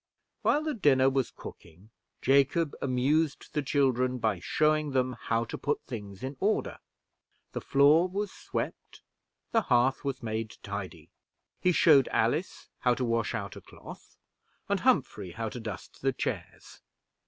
While the dinner was cooking, Jacob amused the children by showing them how to put things in order; the floor was swept, the hearth was made tidy. He shewed Alice how to wash out a cloth, and Humphrey how to dust the chairs.